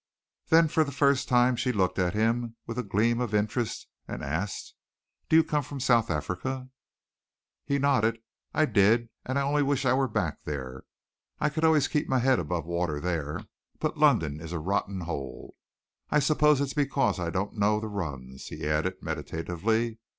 Then for the first time she looked at him with a gleam of interest, and asked, "Do you come from South Africa?" He nodded. "I did, and I only wish I were back there. I could always keep my head above water there, but London is a rotten hole. I suppose it's because I don't know the runs," he added meditatively.